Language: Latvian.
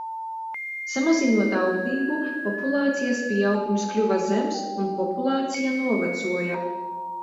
Samazinot auglību, populācijas pieaugums kļuva zems un populācija novecoja.